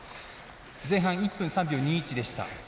前半１分３秒２１でした。